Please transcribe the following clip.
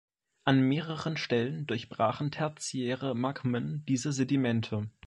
An mehreren Stellen durchbrachen tertiäre Magmen diese Sedimente.